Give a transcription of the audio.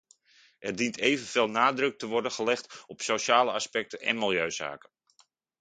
Er dient evenveel nadruk te worden gelegd op sociale aspecten en milieuzaken.